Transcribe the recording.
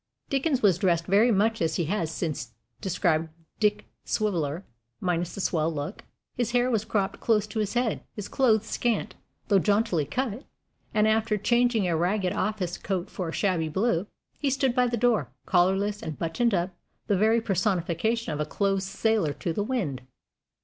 Dickens was dressed very much as he has since described Dick Swiveller, minus the swell look. His hair was cropped close to his head, his clothes scant, though jauntily cut, and, after changing a ragged office coat for a shabby blue, he stood by the door, collarless and buttoned up, the very personification of a close sailer to the wind.